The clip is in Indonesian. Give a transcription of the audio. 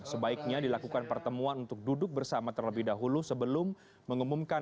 sebaiknya dilakukan pertemuan untuk duduk bersama terlebih dahulu sebelum mengumumkan